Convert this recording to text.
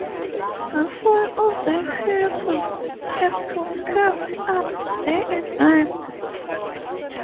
The fire on the hearth had to be kept up day and night.